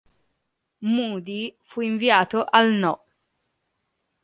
Moody fu inviato al No.